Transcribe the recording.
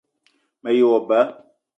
Me ye wo ba